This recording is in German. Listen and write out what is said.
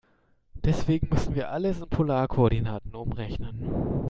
Deswegen müssen wir alles in Polarkoordinaten umrechnen.